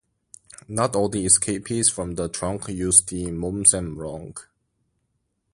Not all the escapees from the trunk used the Momsen lung.